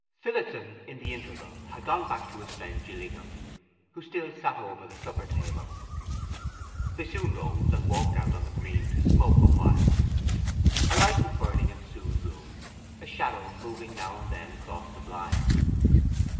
Phillotson in the interval had gone back to his friend Gillingham, who still sat over the supper table. They soon rose, and walked out on the green to smoke awhile. A light was burning in Sue's room, a shadow moving now and then across the blind.